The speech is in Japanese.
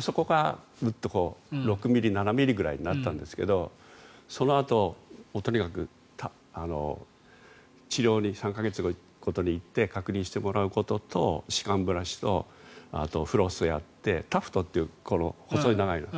そこがグッと６ｍｍ、７ｍｍぐらいになったんですがそのあと、とにかく治療に３か月ごとに行って確認してもらうことと歯間ブラシとあとフロスをやってタフトっていう細い、長いの。